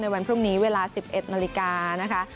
วันพรุ่งนี้เวลา๑๑นาฬิกานะคะ